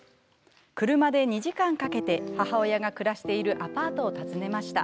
車で２時間かけて母親が暮らしているアパートを訪ねました。